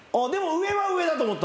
上は上だと思った。